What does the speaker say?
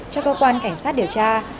cho cơ quan cảnh sát điều tra